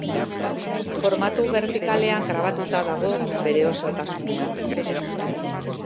Formatu bertikalean grabatuta dago bere osotasunean.